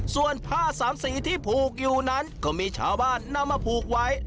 ส่วนผ้าสามสีที่ผูกอยู่นั้นก็มีชาวบ้านนำมาผูกไว้